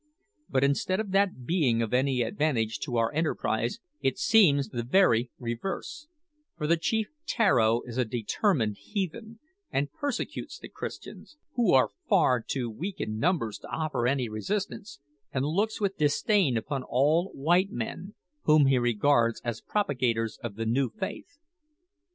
But instead of that being of any advantage to our enterprise, it seems the very reverse; for the chief Tararo is a determined heathen, and persecutes the Christians who are far too weak in numbers to offer any resistance and looks with dislike upon all white men, whom he regards as propagators of the new faith."